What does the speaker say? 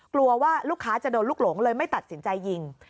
กลัวว่าลูกค้าจะโดนลูกหลงเลยไม่ตัดสินใจยิง